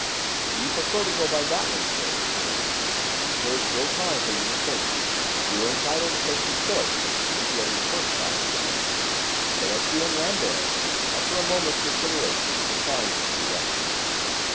"If you prefer to go by that one, sir," he went on, "there is still time for you to change; you are entitled to take your choice since you have a first class ticket." But Etienne Rambert, after a moment's consideration, declined the suggestion.